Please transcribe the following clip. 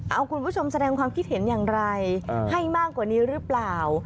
เอาคุณผู้ชมแสดงความคิดเห็นอย่างไรให้มากกว่านี้หรือเปล่า